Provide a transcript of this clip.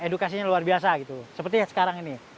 edukasinya luar biasa gitu seperti sekarang ini